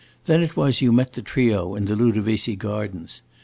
Then it was you met the trio in the Ludovisi gardens.